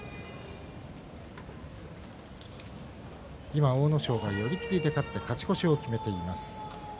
今、阿武咲が寄り切りで勝って勝ち越しを決めています。